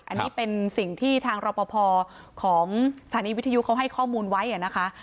อันนี้เป็นสิ่งที่ทางรอปภของสถานีวิทยุเขาให้ข้อมูลไว้นะคะ